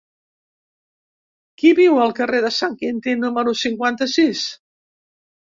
Qui viu al carrer de Sant Quintí número cinquanta-sis?